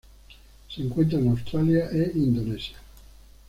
Se encuentra en Australia e Indonesia.